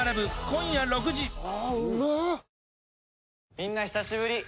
みんな久しぶり！